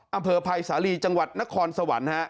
อำเภอภัยสาลีจังหวัดนครสวรรค์